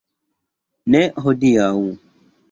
Ne hodiaŭ.